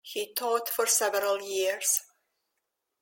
He taught for several years.